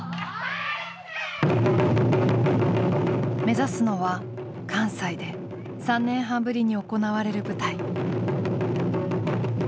目指すのは関西で３年半ぶりに行われる舞台。